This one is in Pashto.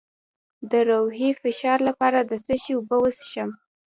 د روحي فشار لپاره د څه شي اوبه وڅښم؟